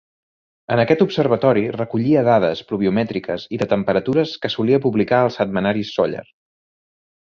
En aquest observatori recollia dades pluviomètriques i de temperatures que solia publicar al setmanari Sóller.